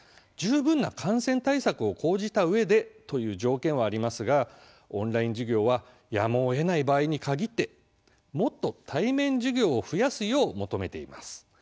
十分な感染対策を講じたうえでという条件はありますがオンライン授業はやむをえない場合に限ってもっと対面授業を増やすよう求めています。